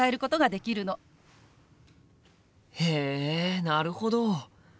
へえなるほど！